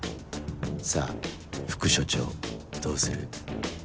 さぁ副署長どうする？